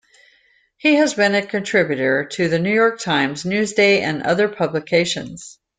He has been a contributor to "The New York Times", "Newsday" and other publications.